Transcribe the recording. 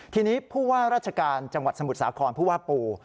ทีนี้ผู้ว่าราชการจังหวัดสมุทรสาครผู้ว่าปู